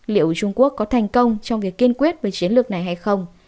liệu trung quốc có thành công trong việc kiên quyết với chiến lược này hay không